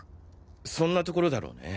そんなところだろうね。